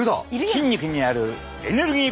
筋肉にあるエネルギー